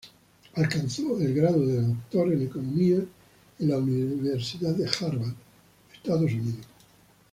Alcanzó el grado de doctor en economía en la Universidad de Harvard, Estados Unidos.